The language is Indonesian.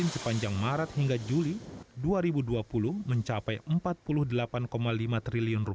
sepanjang maret hingga juli dua ribu dua puluh mencapai rp empat puluh delapan lima triliun